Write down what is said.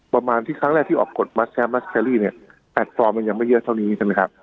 ประมาณที่ครั้งแรกที่ออกกฎเนี้ยมันยังไม่เยอะเท่านี้ใช่ไหมครับ